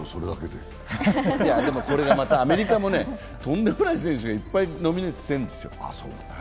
でもこれがまたアメリカもとんでもない選手がノミネ−トしているんですよ。